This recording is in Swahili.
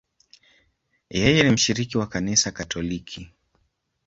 Yeye ni mshiriki wa Kanisa Katoliki.